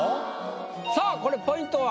さあこれポイントは？